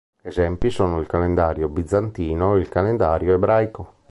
Esempi sono il calendario bizantino e il calendario ebraico.